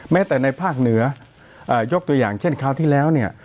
แม้แต่ในภาคเหนือยกตัวอย่างเช่นคราวที่แล้วเนี่ย